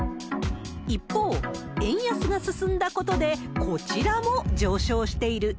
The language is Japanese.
一方、円安が進んだことで、こちらも上昇している。